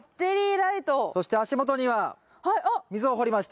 そして足元には溝を掘りました。